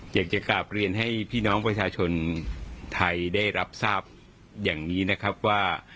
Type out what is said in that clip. อยากจะกลับเรียนให้พี่น้องประชาชนไทยได้รับทราบอย่างนี้นะครับว่า